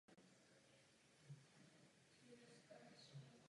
Středoškolský diplom získala na Texas Tech University Independent School District.